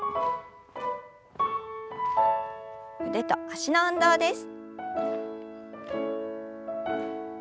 腕と脚の運動です。